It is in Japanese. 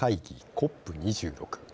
ＣＯＰ２６。